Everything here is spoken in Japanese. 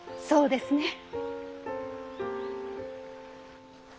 そうですね。